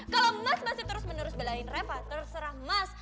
kalau mas masih terus menerus belain reva terserah mas